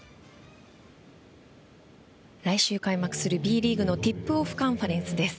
来週開幕するＢリーグのＴＩＰＯＦＦカンファレンスです。